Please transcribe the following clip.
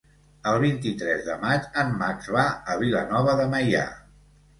El vint-i-tres de maig en Max va a Vilanova de Meià.